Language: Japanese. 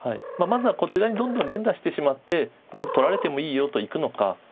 まずはこちらにどんどん連打してしまってどんどん取られてもいいよといくのか。